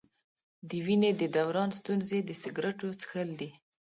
د وینې د دوران ستونزې د سګرټو څښل دي.